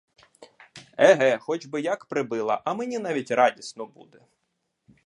Еге, хоч би як прибила, а мені навіть радісно буде!